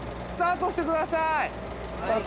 スタートしてください。